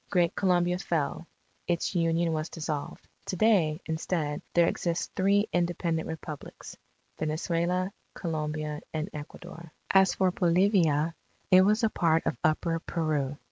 Great Colombia fell; its Union was dissolved. To day, instead, there exist three independent Republics Venezuela, Colombia, and Ecuador. As for Bolivia, it was a part of Upper Peru.